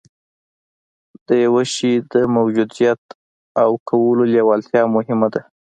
د يوه شي د موجوديت او کولو لېوالتيا مهمه ده.